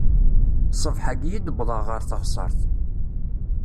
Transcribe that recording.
Ṣṣbeḥ-ayi i d-wwḍeɣ ɣer teɣsert.